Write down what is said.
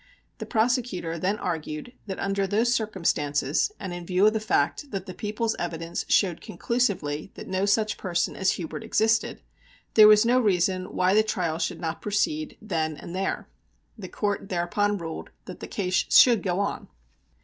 The prosecutor then argued that under those circumstances, and in view of the fact that the People's evidence showed conclusively that no such person as Hubert existed, there was no reason why the trial should not proceed then and there. The Court thereupon ruled that the case should go on.